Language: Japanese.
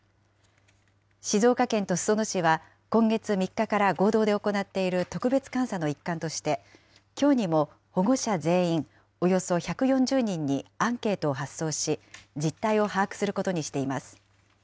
静岡県と裾野市は、今月３日から合同で行っている特別監査の一環として、きょうにも保護者全員、およそ１４０人にアンケートを発送し、実態を把握することにしています。